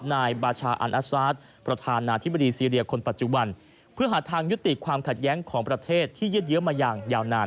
นายบาชาอันอาซาสประธานาธิบดีซีเรียคนปัจจุบันเพื่อหาทางยุติความขัดแย้งของประเทศที่ยืดเยอะมาอย่างยาวนาน